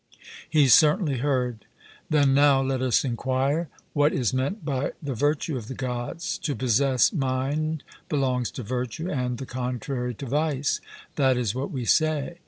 'He certainly heard.' Then now let us enquire what is meant by the virtue of the Gods. To possess mind belongs to virtue, and the contrary to vice. 'That is what we say.'